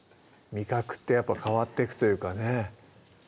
味覚ってやっぱ変わっていくというかね